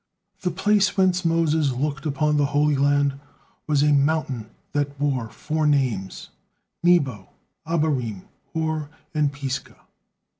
The place whence Moses looked upon the Holy Land was a mountain that bore four names: Nebo, Abarim, Hor, and Pisgah.